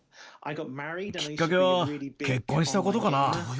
きっかけは結婚したことかな。